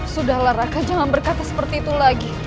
sudahlah raka jangan berkata seperti itu lagi